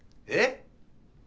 えっ？